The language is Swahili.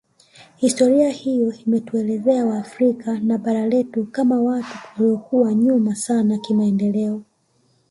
Historia hiyo inatuelezea waafrika na bara letu kama watu tuliokuwa nyuma sana kimaendeleo